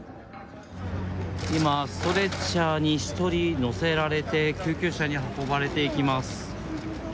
今、ストレッチャーに１人乗せられて救急車に運ばれていきます。